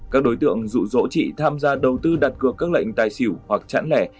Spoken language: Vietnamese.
các đối tượng dụ dỗ trị tham gia đầu tư đặt cược các lệnh tài xỉu hoặc chẳng lẻ